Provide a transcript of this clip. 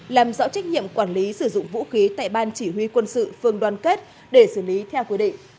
làm rõ trách nhiệm quản lý sử dụng vũ khí tại ban chỉ huy quân sự phương đoan kết để xử lý theo quy định